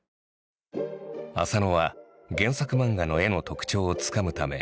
浅野は原作漫画の絵の特徴をつかむため模写を繰り返した。